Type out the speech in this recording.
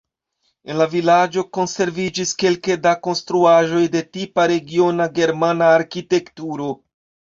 En la vilaĝo konserviĝis kelke da konstruaĵoj de tipa regiona germana arkitekturo.